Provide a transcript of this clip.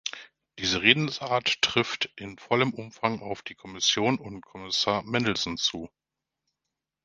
Diese Redensart trifft in vollem Umfang auf die Kommission und Kommissar Mandelson zu.